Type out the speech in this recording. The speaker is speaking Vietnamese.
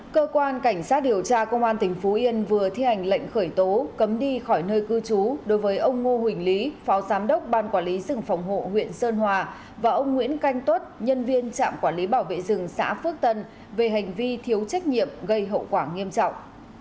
cơ quan cảnh sát điều tra công an tỉnh phú yên vừa thi hành lệnh khởi tố cấm đi khỏi nơi cư trú đối với ông ngô huỳnh lý phó giám đốc ban quản lý rừng phòng hộ huyện sơn hòa và ông nguyễn canh tuốt nhân viên trạm quản lý bảo vệ rừng xã phước tân về hành vi thiếu trách nhiệm gây hậu quả nghiêm trọng